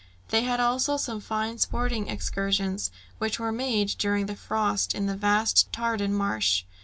They had also some fine sporting excursions, which were made during the frost in the vast Tadorn marsh.